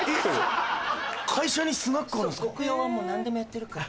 コクヨはもう何でもやってるから。